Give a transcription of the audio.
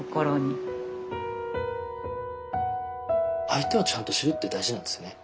相手をちゃんと知るって大事なんですね。